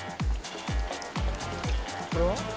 これは？